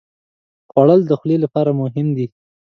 خوړل د خولې لپاره مهم دي